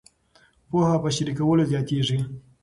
پوهه په شریکولو زیاتیږي.